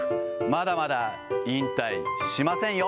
まだまだ引退しませんよ。